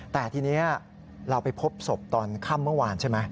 แต่ทีนี้เราไปพบศพตอนค่ำเมื่อวานใช่ไหม